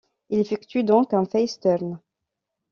Il effectue donc un face turn.